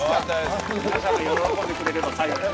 皆さんが喜んでくれれば幸い。